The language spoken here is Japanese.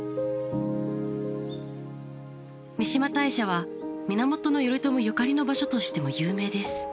三嶋大社は源頼朝ゆかりの場所としても有名です。